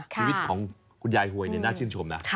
ชีวิตของคุณยายหวยน่าชื่นชมนะ